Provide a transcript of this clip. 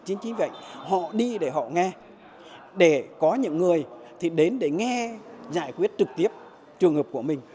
chính vì vậy họ đi để họ nghe để có những người thì đến để nghe giải quyết trực tiếp trường hợp của mình